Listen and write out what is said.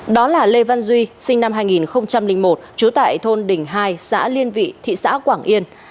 đó là lê văn duy sinh năm hai nghìn một trú tại thôn đình hai xã liên vị thị xã quảng yên